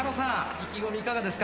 意気込みいかがですか？